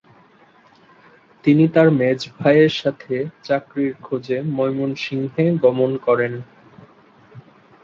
তিনি তার মেজভাইয়ের সাথে চাকরির খোঁজে ময়মনসিংহ গমন করেন।